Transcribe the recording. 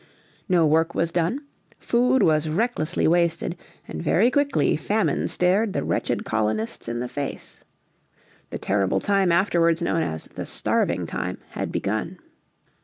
No work was done, food was recklessly wasted, and very quickly famine stared the wretched colonists in the face. The terrible time afterwards known as the Starving Time had begun.